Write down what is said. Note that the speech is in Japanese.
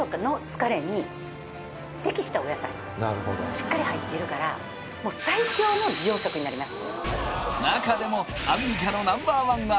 しっかり入っているからもう最強の滋養食になります！